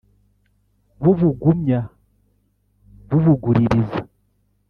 B'ubugumya, b'ubuguririza,